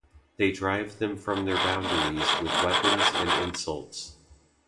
They drive them from their boundaries with weapons and insults.